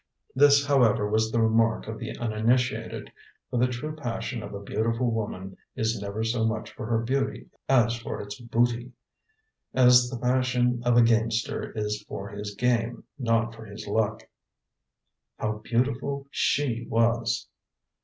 This, however, was the remark of the uninitiated, for the true passion of a beautiful woman is never so much for her beauty as for its booty; as the passion of a gamester is for his game, not for his luck. "How beautiful she was!"